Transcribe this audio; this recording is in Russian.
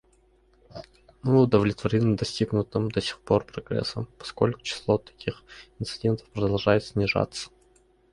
Мы удовлетворены достигнутым до сих пор прогрессом, поскольку число таких инцидентов продолжает снижаться.